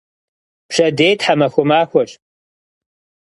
Пщэдей тхьэмахуэ махуэщ.